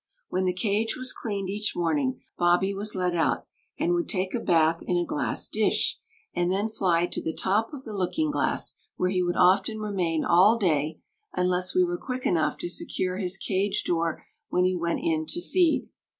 When the cage was cleaned each morning Bobbie was let out, and would take a bath in a glass dish, and then fly to the top of the looking glass, where he would often remain all day unless we were quick enough to secure his cage door when he went in to feed.